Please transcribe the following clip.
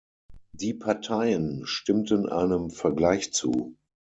Die Parteien stimmten einem Vergleich zu.